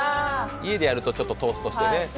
家でやるとちょっとトーストしてね。